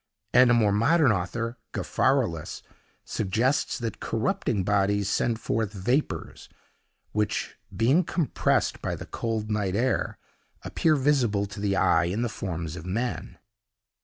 and a more modern author, Gaffarillus, suggests that corrupting bodies send forth vapors, which being compressed by the cold night air, appear visible to the eye in the forms of men.